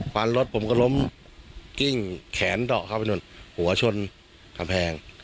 ฟันรถผมก็ล้มกิ้งแขนเดาะเข้าไปนู่นหัวชนกำแพง